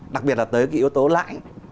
đặc biệt là tới yếu tố lãi